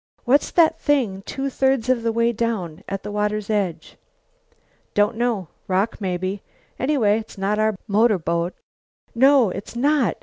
"What's that thing two thirds of the way down, at the water's edge?" "Don't know. Rock maybe. Anyway, it's not our motorboat." "No, it's not.